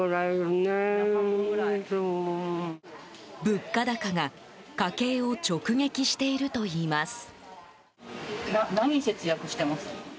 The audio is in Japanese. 物価高が家計を直撃しているといいます。